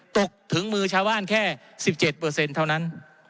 ตกถึงมือชาวบ้านแค่๑๗เปอร์เซ็นต์เท่านั้น